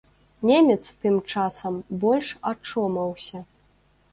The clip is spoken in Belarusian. Немец тым часам больш ачомаўся.